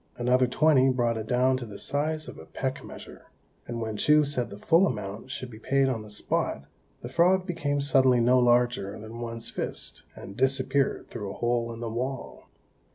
Another twenty brought it down to the size of a peck measure; and when Chou said the full amount should be paid on the spot, the frog became suddenly no larger than one's fist, and disappeared through a hole in the wall.